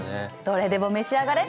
どれでも召し上がれ。